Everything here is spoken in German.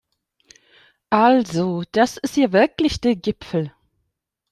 Also das ist ja wirklich der Gipfel!